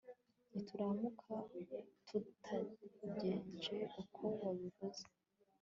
nituramuka tutagenje uko wabivuze